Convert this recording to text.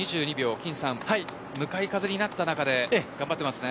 金さん、向かい風になった中で頑張っています。